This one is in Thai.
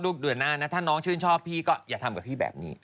เดือนหน้านะถ้าน้องชื่นชอบพี่ก็อย่าทำกับพี่แบบนี้